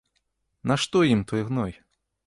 Нашто ім той гной?